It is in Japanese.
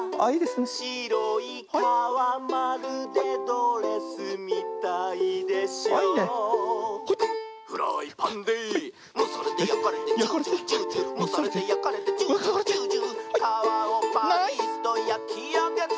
「しろいかわまるでドレスみたいでしょ」「フライパンでむされてやかれてジュージュージュージュー」「むされてやかれてジュージュージュージュー」「かわをパリッとやきあげて」